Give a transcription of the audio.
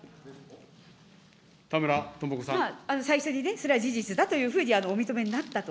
最初にね、それは事実だというふうにお認めになったと。